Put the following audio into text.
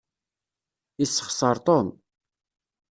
Yessexseṛ Tom.